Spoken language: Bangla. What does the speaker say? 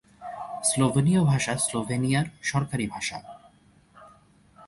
স্লোভেনীয় ভাষা স্লোভেনিয়ার সরকারি ভাষা।